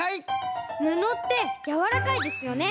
ぬのってやわらかいですよね。